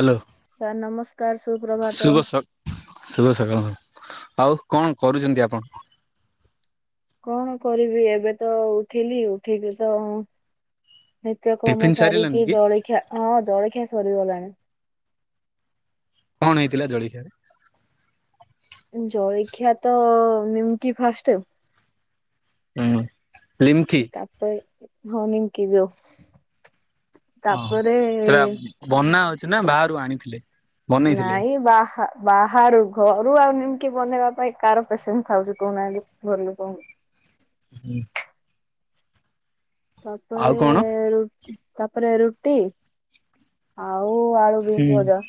Hello sir ନମସ୍କାର ସୁପ୍ରଭାତ। ଶୁଭ ସକ ଶୁଭ ସକାଳ ଆଉ କଣ କରୁଛନ୍ତି ଆପଣ? କଣ କରିବି ଏବେ ତ ଉଠିଲି ଉଠିକି ତ ନିତ୍ୟକ୍ରମ ଟିଫିନ ସାରିଲାନି ସାରିକି କି ଜଳଖିଆ ହଁ ଜଳଖିଆ ସରିଗଲାଣି। କଣ ହେଇଥିଲା ଜଳିଖିଆରେ? ଜଳିଖିଆ ତ ନିମକି ଫାଷ୍ଟ ଆଉ। ହୁଁ ନିିମ୍ଖି। ହଁ ନିମକି ଯୋଉ ହଁ ତାପରେ ସେଟା ବନା ହଉଛି ନା ବାହାରୁ ଆଣିଥିଲେ? ବନେଇଥିଲେ ନାଇଁ ବାହା ବାହାରୁ ଘରୁ ଆଉ ନିମକି ବନେଇବା ପାଇଁ କାହାର ପେସେନ୍ସ ଆଉଛି କହୁନାହାନ୍ତି। ଘର ଲୋକଙ୍କୁ। ହୁଁ। ଆଉ ତାପରେ କଣ ତାପରେ ରୁଟି ଆଉ ଆଳୁ ବିନ୍ସ ଭଜା।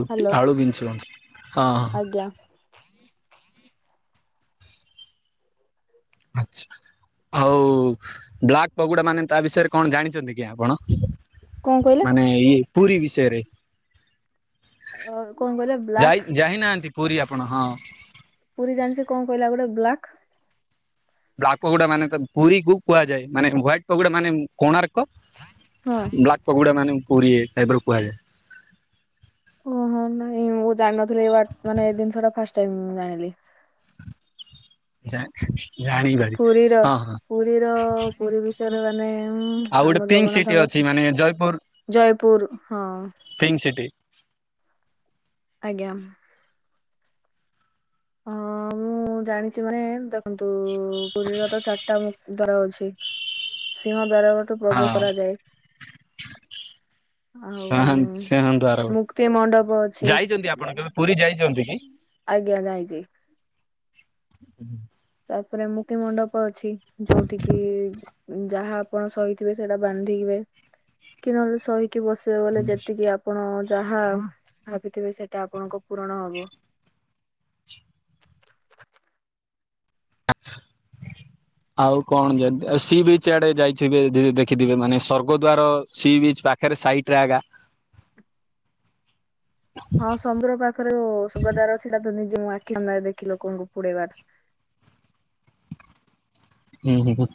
ରୁଟି ହ୍ୟାଲୋ ଆଳୁ ବିନ ଛୁଇଁ ହଁ ହିଁ। ଆଜ୍ଞା ଆଚ୍ଛା। ହଉ ବ୍ଲାକ୍ ପଗୋଡା ମାନେ ତା ବିଷୟରେ କଣ ଜାଣିଛନ୍ତି କି ଆପଣ? କଣ କହିଲେ? ମାନେ ଇଏ ପୁରୀ ବିଷୟରେ। କଣ କହିଲେ ବ୍ଲାକ୍ ଯାଇ ଯାଇନାହାନ୍ତି ପୁରୀ ଆପଣ ହଁ। ପୁରୀ ଜାଣିଛି କଣ କହିଲ ଆଉଗୋଟେ ବ୍ଲାକ୍ ବ୍ଲାକ୍ ପକୋଡା ମାନେ ପୁରୀ କୁ କୁହାଯାଏ ମାନେ ହ୍ୱାଇଟ ପକୋଡା ମାନେ କୋଣାର୍କ ହଁ ବ୍ଲାକ୍ ପଗୋଡା ମାନେ ପୁରୀ କୁ କୁହାଯାଏ। ଓହୋ ନାଇଁ ମୁଁ ଜାଣିିନଥିଲି ମାନେ ଏ ଜିନିଷ ଟା ଫାଷ୍ଟ ଟାଇମ ମୁ ଜାଣିଲି। ଜାଣିନ ପୁରୀର ପୁରୀର ପୁରୀ ବିଷୟରେ ମାନେ ଆଉ ଗୋଟେ ଆମ ପିଙ୍କ୍ ସିଟି ଜଗନ୍ନାଥଙ୍କ ଅଛି ମାନେ ଜୟପୁର ଜୟପୁର ହଁ। Pink city. ଆଜ୍ଞା। ହଁ ମୁଁ ଜାଣିଛି ମାନେ ଦେଖନ୍ତୁ ପୁରୀର ତ ଚାରିଟା ଦ୍ୱାର ଅଛି। ସିଂହ ଦ୍ଵାର ବାଟେ ପ୍ରବେଶ କରାଯାଏ। ଆଉ ସାହାନ୍ତ ସିଂହ ଦ୍ୱାର ମୁକ୍ତି ମଣ୍ଡପ ଅଛି ଯାଇଛନ୍ତି ଆପଣ କେବେ? ପୁରୀ ଯାଇଛନ୍ତି କି? ଆଜ୍ଞା ଯାଇଛି। ହୁଁ ହୁଁ ତାପରେ ମୁକ୍ତି ମଣ୍ଡପ ଅଛି ଯୋଉଠି କି? ଯାହା ଆପଣ ସହିଥିବେ ସେଇଟା ବାନ୍ଧିବେ କି ନହେଲେ ସହି କି ବସିହବନି ଯେତିକି ଆପଣ ଯାହା ଭାବିଥିବେ ସେଇଟା ଆପଣଙ୍କ ପୂରଣ ହବ। ହଁ [unintelligible] ଆଉ କଣ ଯେମିତି ସି ବିଚ୍ ଆଡେ ଯାଇଥିବେ ଦେଖିଥିବେ ମାନେ ସ୍ୱର୍ଗଦ୍ୱାର ସି ବିଚ ପାଖ ପାଖେରେ ସାଇଟରେ ଆଗା। ହଁ ସମୁଦ୍ର ପାଖରେ ସ୍ୱର୍ଗଦ୍ୱାର ଅଛି ସେଇଟା ତ ନିଜେ ମୁଁ ଆଖି ସାମ୍ନା ଦେଖିଛି ଲୋକଙ୍କୁ ପୋଡିବାଟା। ହୁଁ ହୁଁ ହୁଁ।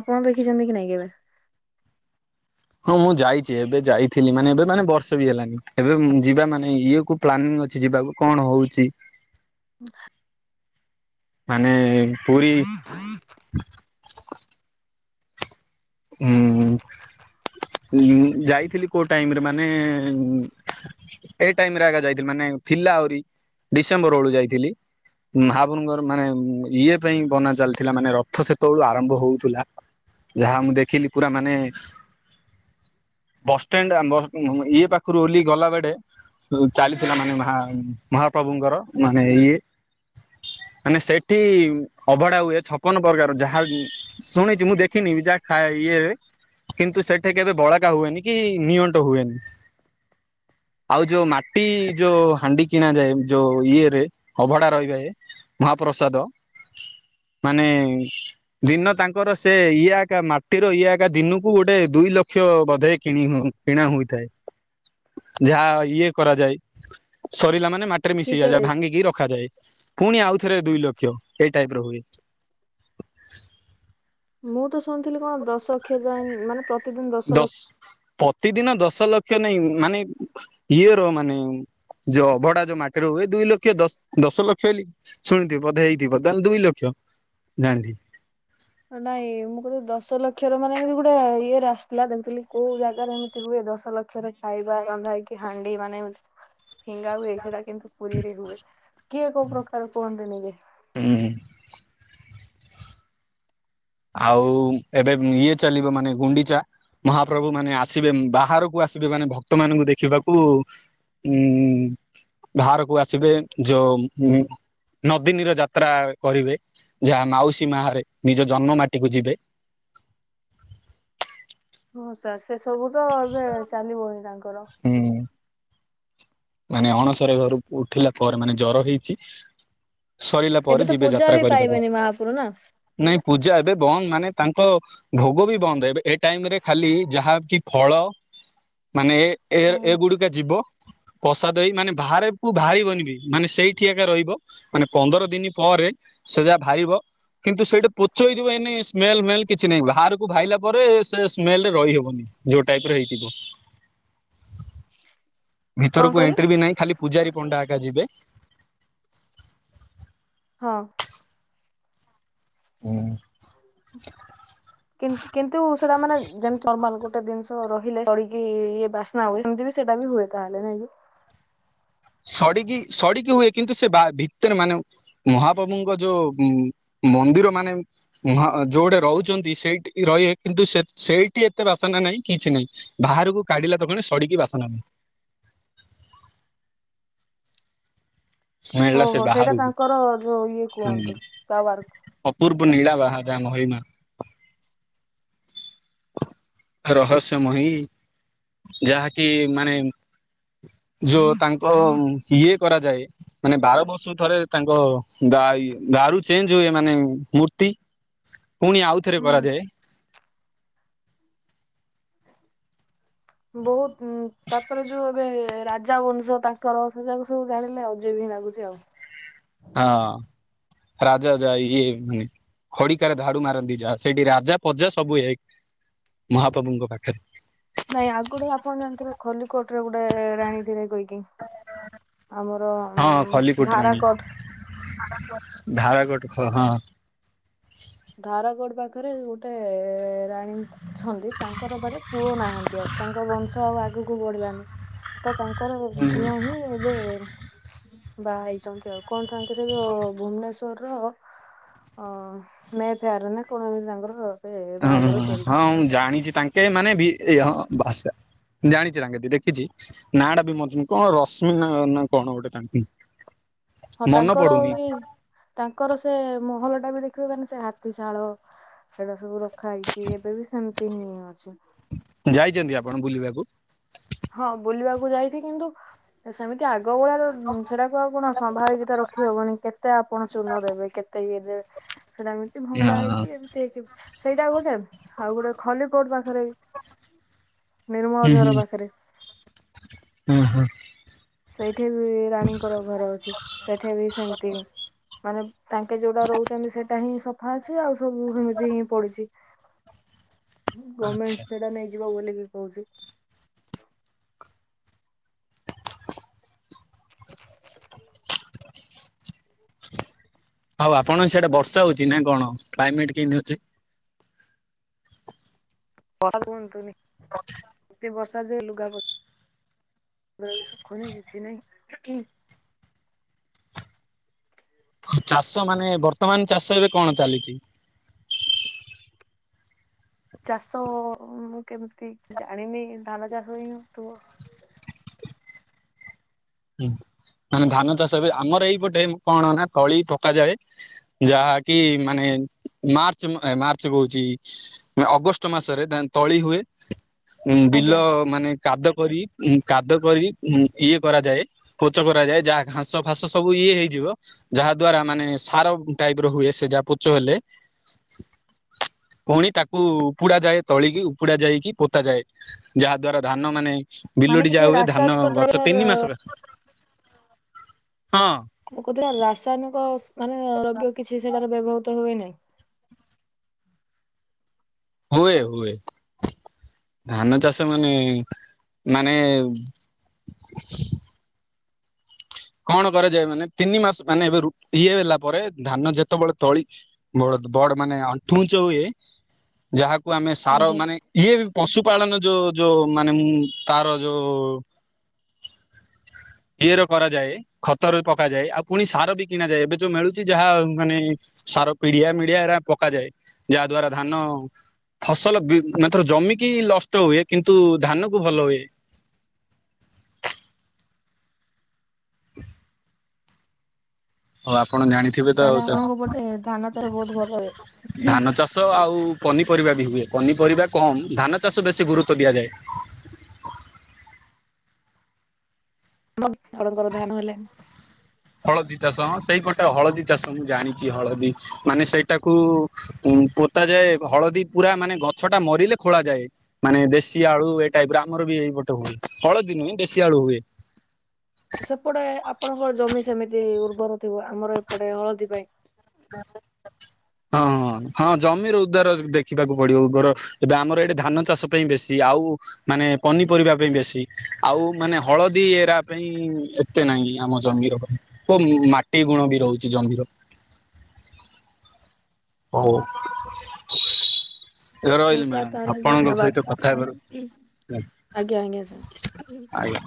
ଆପଣ ଦେଖିଛନ୍ତି କି ନାଇଁ କେବେ? ହଁ ମୁଁ ଯାଇଛି ଏବେ ଯାଇଥିଲି ମାନେ ଏବେ ମାନେ ବର୍ଷ ବି ହେଲାନି ଏବେ ଯିବା ମାନେ ଇଏ କୁ ପ୍ଲାନିଂ ଅଛି ଯିବାକୁ କଣ ହଉଛି। ହୁଁ। ମାନେ ପୁରୀ ହୁଁ ଯାଇଥିଲି କୋଉ ଟାଇମରେ ମାନେ ଏଇ ଟାଇମ ରେ ଆଗା ଯାଇଥିଲି ମାନେ ଥିଲା ଆହୁରି ଡିସେମ୍ବର ବେଳୁ ଯାଇଥିଲି। ମହାପୁରୁଙ୍କର ମାନେ ଇଏ ପାଇଁ ବନା ଚାଲିଥିଲା ମାନେ ରଥ ସେତେବେଳୁ ଆରମ୍ଭ ହଉଥିଲା। ଯାହା ମୁଁ ଦେଖିଲି ପୁରା ମାନେ ବସ୍ ଷ୍ଟାଣ୍ଡ ଇଏ ପାଖରୁ ଓହ୍ଲାଇ ଗଲା ବଳେ ଚାଲିଥିଲା ମାନେ ମହା ମହାପ୍ରଭୁଙ୍କର ମାନେ ଇଏ ମାନେ ସେଠି ଅଭଢା ହୁଏ ଛପନ ପ୍ରକାର ଯାହା ଶୁଣିଛି ମୁଁ ଦେଖିନି ଯାହା ଖା ଇଏ କିନ୍ତୁ ସେଠି କେବେ ବଳାକା ହୁଏନି କି ନିଅଣ୍ଟ ହୁଏନି। ଆଉ ଯୋଉ ମାଟି ଯୋଉ ହାଣ୍ଡି କିଣ ଯାଏ ଯୋଉ ଇଏ ରେ ଅଭଡା ରହିବେ ମହାପ୍ରସାଦ ମାନେ ଦିନ ତାଙ୍କର ସେ ଇଏ ଏକା ମା ତିର ଇଏ ଏକା ଦିନକୁ ଗୋଟେ ଦୁଇ ଲକ୍ଷ ବୋଧେ କିଣି କିଣା ହୋଇଥାଏ। ଯାହା ଇଏ କରାଯାଏ ସରିଲା ମାନେ ମାଟି ରେ କି ମିଶି କେବେ ଯାଏ ଭାଙ୍ଗିକି ରଖାଯାଏ ପୁଣି ଆଉଥରେ ଦୁଇ ଲକ୍ଷ ଏଇ ଟାଇପ ର ହୁଏ। ମୁଁ ତ ଶୁଣିଥିଲି କଣ ଦଶଲକ୍ଷ୍ୟ ଯାଏ ମାନେ ପ୍ର ଦଶ ପ୍ରତିଦିନ ଦଶ ଲକ୍ଷ ନାଇଁ ମାନେ ଇଏର ମାନେ ଯୋଉ ଅଭଢା ଯୋଉ ମାଟି ର ହୁଏ ଦୁଇ ଲକ୍ଷ ଦଶ ଦଶ ଲକ୍ଷ ହେଲି ଶୁଣିୁଥିବ ବଧେ ହେଇଥିବ ତା ଦୁଇ ଲକ୍ଷ ଜାଣିଥ ନାଇଁ ମୁଁ କଥିଲେ ଦଶ ଲକ୍ଷର ମାନେ ଏମିତି ଗୋଟେ ଇଏରେ ଆସିଥିଲା ଦେମିଥିଲି କୋଉ ଜାଗାରେ ଏମ ଏମିତି ହୁଏ ଦଶ ଲକ୍ଷରେ ଖାଇବା ରନ୍ଧାଇକି ହାଣ୍ଡି ମାନେ ଫିଙ୍ଗା ହୁଏ ସେଟା କିନ୍ତୁ ପୁରୀରେ ହୁଏ କିଏ କୋଉ ପ୍ରକାର କୁହନ୍ତିନି କି। ହୁଁ। ଆଉ ଏବେ ଇଏ ଚାଲିବ ମାନେ ଗୁଣ୍ଡିଚା। ମହାପ୍ରଭୁ ମାନେ ଆସିବେ ବାହାରକୁ ଆସିବେ ମାନେ ଭକ୍ତ ମାନଙ୍କୁ ଦେଖିବାକୁ ହୁଁ ବାହାରକୁ ଆସିବେ ଯୋଉ ନଦୀନୀର ଯାତ୍ରା କରିବେ ଯାହା ମାଉସୀ ମାହରେ ନିଜ ଜନ୍ମ ମାଟିକୁ ଯିବେ। ହଁ ସାର୍ ସେ ସବୁ ତ ଏବେ ଚାଲିବ ହିଁ ତାଙ୍କର ହୁଁ। ମାନେ ଅଣସର ଘରୁ ଉଠିଲା ପରେ ମାନେ ଜର ହେଇଛି। ସରିଲା ଏବେ ପରେ ତ ଯିବେ ପୂଜା ଯାତ୍ରା ବି କରିବାକୁ ପାଇବେନି ମହାପୁରୁ ନା। ନାଇଁ ପୂଜା ଏବେ ବନ୍ଦ ମାନେ ତାଙ୍କ ଭୋଗ ବି ବନ୍ଦ ହେବେ ଏ ଟାଇମ ରେ ଖାଲି ଯାହା କି ଫଳ ମାନେ ଏ ଏ ହୁଁ ଏଗୁଡିକ ଯିବ। କଷାଦଇ ମାନେ ବାହାରକୁୁ ବାହାରି ବନିବି ମାନେ ସେଇଠି ଏବେ ରହିବ। ମାନେ ପନ୍ଦର ଦିନି ପରେ ସେ ଯାହା ଭାଇବ। କିନ୍ତୁ ସେଇଟି ପୋଚ ହେଇଯିବ ଏନି ସ୍ମେଲ୍ ମେଲ୍ କିଛି ନାହିଁ ବାହାରକୁ ଭାଇିଲା ପରେ ସେ ସ୍ମେଲ ରେ ରହିହବନି। ଯୋଉ ଟାଇପ ର ହେଇଥିବ। କଣ ଭିତରକୁ କହିଲେ ଏଣ୍ଟ୍ରି ବି ନାହିଁ ଖାଲି ପୂଜାରୀ ପଣ୍ଡା ଏକା ଯିବେ। ହଁ। ହୁଁ। କିନ୍ତୁ ସେଟା ମାନେ ଯେମିତି ନର୍ମାଲ ଗୋଟେ ଜିନିଷ ରହିଲେ ଚଢିକି ଇଏ ବାସ ନାଁ ଆହୁରି ସେମିତି ବି ସେବାବି ହୁଏ ତାହେଲେ ନାଇଁ କି। ସଡିକି ସଡିକି ହୁଏ କିନ୍ତୁ ସେ ବା ଭିତରେ ମାନେ ମହାପ୍ରଭୁଙ୍କ ଯୋଉ ମୋ ମନ୍ଦିର ମାନେ। ହଁ ଯୋଉଟା ରହୁଛନ୍ତି ସେଇଠିକି ରହିବେ କିନ୍ତୁ ସେଇଠି ଏତେ ବାସନା ନାହିଁ କିଛି ନାହିଁ। ବାହାରକୁ କାଢିଲା ତ କଣ ସଡିକି ବାସନା ହୁଏ। ସ୍ମେଲ ଟା ସେ ଓହୋ ସେଇଟା ବାହାରୁ ତାଙ୍କର ଯୋଉ ଇଏ କୁହନ୍ତି ହୁଁ। ପାୱାର। ଅପୂର୍ବ ନୀଳା ବାହା ଯାହା ମହିମା। ରହସ୍ୟମୟୀ ଯାହାକି ମାନେ ଯଉ ତାଙ୍କ ଇଏ କରାଯାଏ। ମାନେ ବାର ବର୍ଷକୁ ଥରେ ତାଙ୍କ ଦାଇ ଦାରୁ ଚେଞ୍ଜ ହୁଏ ମାନେ ମୂର୍ତ୍ତି। ପୁଣି ଆଉଥରେ ହୁଁ କରାଯାଏ। ବହୁତ ତାପରେ ଯୋଉ ଏବେ ରାଜା ବଂଶ। ତାଙ୍କର ସେ ଯାକୁ ସବୁ ଜାଣିଲେ ଅଜୟବ ହିଁ ଲାଗୁଛି ଆଉ। ହଁ ରାଜା ଯାଇ ଇଏ। ଖଡିକାରେ ଧାଡୁ ମାରନ୍ତି ଯାହା ସେଇଠି ରାଜା ପଜା ସବୁ ହେ ମହାପ୍ରଭୁଙ୍କ ପାଖରେ। ନାଇଁ ଆଗରୁ ଆପଣ ଜାଣିଥିବେ ଖୋଲିକୋଟ ରେ ଗୋଟାଏ ରାଣୀ ରେ କହିକି। ଆମର ଧାରାକୋର୍ଟ। ଧାରାକୋର୍ଟ ଧାରା କୋର୍ଟ ହଁ। ଧାରାକୋର୍ଟ ପାଖରେ ଗୋଟେ ରାଣୀ। ଛନ୍ତି ତାଙ୍କର ମାନେ ପୁଅ ନାହାନ୍ତି ଆଉ ତାଙ୍କ ବଂଶ ଆଉ ଆଗକୁ ବଢିଲାନି। ତ ତାଙ୍କର ଝିଅ ହିଁ ଏବେ ବାହା ହେଇଛନ୍ତି ଆଉ କଣ ତାଙ୍କ ସେଯୋଉ ଭୁବନେଶ୍ଵର ର ଅ ମେ ଫୋର ନା କଣ ଏମତି ତାଙ୍କର। ଏବେ ହୁଁ ବାହାଘର ହୁଁ ସରିଛି ହଁ ମୁଁ ଜାଣିଛି ତାଙ୍କେ ମାନେ ହଁ ବାସା। ଜାଣିଛ କିନ୍ତୁ ଦେଖିଛି। ନାଁ ଟା ବି ମ କଣ ରଶ୍ମି ନା କଣ ଗୋଟେ ତାଙ୍କ ନାଁ। ହଁ ତାଙ୍କର ଉଇ। ତାଙ୍କର ସେ ମହଲ ଟା ବି ଦେଖିବେ ମାନେ ସେ ହାତୀଶାଳ ସେଇଟା ସବୁ ର। ଖାଇକି ଏବେ ବି ସେମିତି ହିଁ ଅଛି। ତ ଯାଇଛନ୍ତି ଆପଣ ବୁଲିବାକୁ? ହଁ ବୁଲିବାକୁ ଯାଇଛି କିନ୍ତୁ। ସେମିତି ଆଗ ଭଳିଆ ସେଟାକୁ ଆଉ କଣ ସମ୍ଭାଳିକି ତ ରଖି ହବନି କେତେ ଆପଣ ଚୂର୍ନ ଦେବେ କେତେ। ଇ ସେଇଟା ଏମତି ହୁଁ ଭଙ୍ଗା ହେଇକି। ସେଇଟା ଗୋଟେ ଆଉ ଗୋଟେ ଖଲି କୋର୍ଟ ପାଖରେ। ନିର୍ମଳ ହୁଁ ଝର ପାଖରେ। ହୁଁ ହୁଁ। ସେଇଠି ବି ରାଣୀଙ୍କର ଘର ଅଛି ସେଠେ ବି ସେମିତି। ମାନେ ତାଙ୍କେ ଯୋଉଟା ରହୁଛନ୍ତି ସେଇଟା ହିଁ ସଫା ଅଛି ଆଉ ସବୁ ଏମିତି ହିଁ ପଡିଛି। ଗମେଣ୍ଟ ଆଚ୍ଛା ସେଟା ନେଇଯିବ ବୋଲିକି କହୁଛି। ଆଉ ଆପଣଙ୍କ ସିଆଡେ ବର୍ଷା ହଉଛି ନା କଣ କ୍ଲାଇମେଟ୍ କେମିତି ଅଛି? [unintelligible] ହଁ। ଏତେ ବର୍ଷା ଯେ ଲୁଗା ଖୁଣି କିଛି ନାଇଁ ଚାଷ ମାନେ ବର୍ତ୍ତମାନ ଚାଷ ଏବେ କଣ ଚାଲିଛି? ଚାଷ ମୁଁ କେମିତି ଜାଣିନି ଧାନ ଚାଷ ହିଁ ତୁ ମାନେ ଧାନ ଚାଷ ବି ଆମର ଏଇପଟେ କଣ ନା ତଳି ପକାଯାଏ। ଯାହାକି ମାନେ ମାର୍ଚ୍ଚ ମାର୍ଚ୍ଚ କହୁଛି ଅଗଷ୍ଟ ମାସରେ ତଳି ହୁଏ। ଉ ବିଲ ଆଜ୍ଞା ମାନେ କାଦ କରି କାଦ କରି ଇଏ କରାଯାଏ। ପୋଚ କରାଯାଏ ଯାହା ଘାସ ଫାସ ସବୁ ଇଏ ହେଇଯିବ। ଯାହା ଦ୍ଵାରା ମାନେ ସାର ଟାଇପ ର ହୁଏ ସେ ଯାହା ପୋଚ ହେଲେ। ପୁଣି ତାକୁ ଉପୁଡା ଯାଏ ତଳିକି ଉପୁଡା ଯାଇକି ପୋତା ଯାଏ ଯାହା ଦ୍ଵାରା ଧାନ ମାନେ ମାନେ ବିଲୁଡି କିଛି ଯାହା ହୁଏ ଧାନ ରାସାୟନିକ ଗଛ ଦ୍ରବ୍ୟ ର ତିନି ମାସ ସକାଶେ ହଁ। ମୁଁ କହୁଥିଲ ରାସାୟନିକ ମାନେ ଦବ୍ୟ କିଛି ସେଟାର ବ୍ୟବହୃତ ହୁଏ ନାହିଁ। ହୁଏ ହୁଏ। ଧାନ ଚାଷ ମାନେ ମାନେ କଣ କରାଯାଏ ମାନେ ତିନି ମାସ ମାନେ ଏବେ ଇଏ ହେଲା ପରେ ଧାନ ଯେତେବେଳେ ତଳି ବ ବଡ ମାନେ ଆଣ୍ଠୁ ଉଞ୍ଚ ହୁଏ ଯାହାକୁ ଆମେ ସାର ଆଜ୍ଞା ମାନେ ଇଏ ବି ପଶୁ ପାାଳନ ଯୋଉ ଯୋଉ ମାନେ ମୁଁ ତାର ଯୋଉ ଇଏର କରାଯ ଯାଏ ଖତରେ ପକାଯାଏ ଆଉ ପୁଣି ସାର ବି କିଣାଯାଏ ଏବେ ଯୋଉ ମିଳୁଛି ଯାହା ମାନେ ସାର ପିଡିଆ ମିଡିଆ ଏରା ପକାଯାଏ ଯାହା ଦ୍ଵାରା ଧାନ। ଫସଲ ଏଥର ଜମିିକି ନଷ୍ଟ ହୁଏ କିନ୍ତୁ ଧାନ କୁ ଭଲ ହୁଏ। ହଉ ଆପଣ ଜାଣିଥିବେ ତ ଆଉ ତାହେଲେ ଆପଣଙ୍କ ଚାଷ ପଟେ ଧାନ ଚାଷ ବହୁତ ଭଲ ହୁଏ। ଧାନ ଚାଷ ଆଉ ପନିପରିବା ବି ହୁଏ ପନିପରିବା କମ ଧାନ ଚାଷ ବେଶୀ ଗୁରୁତ୍ୱ ଦିଆଯାଏ। ଆମ ବଣଙ୍କର ଧାନ ହେଲେ। ହଳଦୀ ଚାଷ ହଁ ସେଇ ଗୋଟେ ହଳଦୀ ଚାଷ ମୁଁ ଜାଣିଛି ହଳଦୀ ମାନେ ସେଇଟାକୁ ଉ ପୋତା ଯାଏ ହଳଦୀ ପୁରା ମାନେ ଗଛ ଟା ମରିଲେ ଖୋଳା ଯାଏ। ମାନେ ଦେଶୀ ଆଳୁ ଏଇ ଟାଇପ ର ଆମର ବି ଏଇପଟେ ହୁଏ ହଳଦୀ ନୁହେଁ ଦେଶୀ ଆଳୁ ହୁଏ। ସେପଟେ ଆପଣଙ୍କ ଜମି ସେମିତି ଉର୍ବର ଥିବ ଆମର ଏପଟେ ହଳଦୀ ପାଇଁ। ହଁ ହଁ ହଁ ଜମିର ଉଦ୍ଧାର ଦେଖିବାକୁ ପଡିବ ଉଗର। ଏବେ ଆମର ଏଇଠି ଧାନ ଚାଷ ପାଇଁ ବେଶୀ ଆଉ ମାନେ ପନିପରିବା ପାଇଁ ବେଶୀ ଆଉ ମାନେ ହଳଦୀ ଏରା ପାଇଁ ଏ ଏତେ ନାହିଁ ଆମ ଜମିର କୋ ମାଟି ଗୁଣ ବି ରହୁଛି ଜମିର। ଆ [inaudible] ହଉ ହଉ ରହିଲି ସାର୍ ମ୍ୟାଡାମ ତାହେଲେ ଆପଣଙ୍କ ଧନ୍ୟବାଦ ସହିତ କଥା ହେବାରୁ ଆଜ୍ଞା ଆଜ୍ଞା ସାର। ଆଜ୍ଞା।